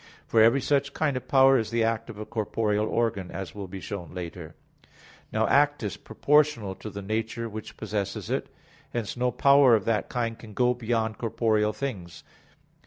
For every such kind of power is the act of a corporeal organ, as will be shown later (Q. 78). Now act is proportional to the nature which possesses it. Hence no power of that kind can go beyond corporeal things.